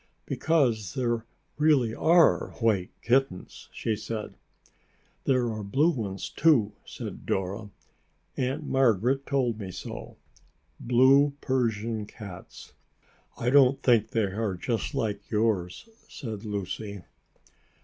"Because there really are white kittens," she said. "There are blue ones, too," said Dora. "Aunt Margaret told me so. Blue Persian cats." "I don't think they are just like yours," said Lucy.